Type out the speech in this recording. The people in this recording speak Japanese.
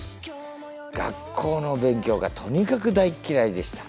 学校の勉強がとにかく大っ嫌いでした。